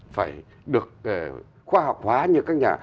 phải được khoa học hóa như các nhà